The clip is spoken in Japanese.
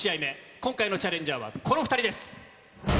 今回のチャレンジャーはこの２人です。